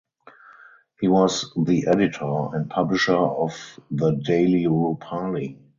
He was the editor and publisher of the "Daily Rupali".